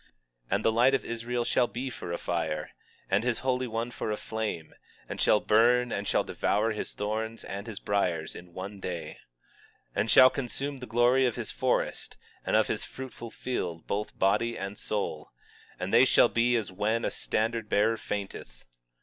20:17 And the light of Israel shall be for a fire, and his Holy One for a flame, and shall burn and shall devour his thorns and his briers in one day; 20:18 And shall consume the glory of his forest, and of his fruitful field, both soul and body; and they shall be as when a standard bearer fainteth.